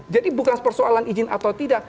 jadi bukan persoalan izin atau tidak